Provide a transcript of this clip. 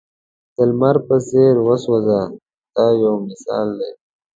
د لمر په څېر وسوځئ دا یو مثال دی.